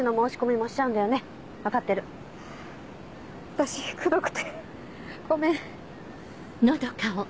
私くどくてごめん。